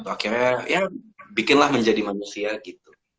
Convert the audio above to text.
akhirnya ya bikinlah menjadi manusia gitu